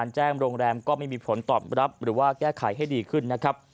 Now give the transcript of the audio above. แจ้งโรงแรมก็ไม่มีผลตอบรับหรือว่าแก้ไขให้ดีขึ้นนะครับ